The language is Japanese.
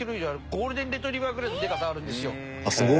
ゴールデンレトリバーぐらいのでかさあるんですよ。